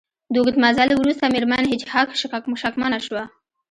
د اوږد مزل وروسته میرمن هیج هاګ شکمنه شوه